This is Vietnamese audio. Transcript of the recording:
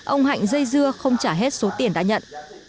ông hạnh dây dưa không trả hết số tiền đã nhận